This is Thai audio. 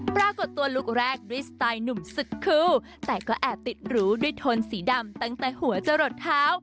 ปรากฏตัวลุคแรกด้วยสไตล์หนุ่มสุดคู่แต่ก็แอบติดหรูด้วยโทนสีดำตั้งแต่หัวจะหลดเท้า